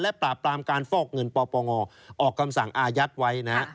ปราบปรามการฟอกเงินปปงออกคำสั่งอายัดไว้นะฮะ